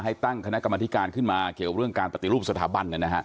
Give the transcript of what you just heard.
ให้ตั้งคณะกรรมธิการขึ้นมาเกี่ยวกับเรื่องการปฏิรูปสถาบันกันนะคะ